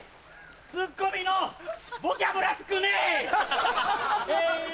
ツッコミのボキャブラ少ねえハハハ！